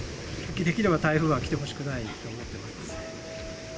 できれば台風は来てほしくないと思ってますね。